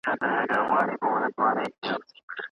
اوښکې له بېلابېلو مالیکولونو جوړې دي.